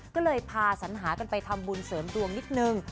ก็เลยพาสัญหากันไปทำบุญเสริมดวงนิดนึง